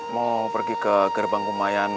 mau pergi ke gerbang kumayan